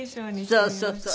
そうそうそう。